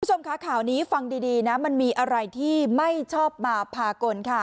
คุณผู้ชมคะข่าวนี้ฟังดีนะมันมีอะไรที่ไม่ชอบมาพากลค่ะ